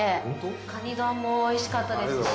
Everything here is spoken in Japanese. かにがもうおいしかったですし。